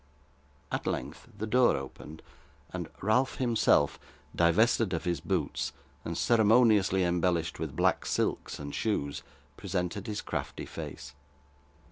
At length, the door opened, and Ralph himself, divested of his boots, and ceremoniously embellished with black silks and shoes, presented his crafty face.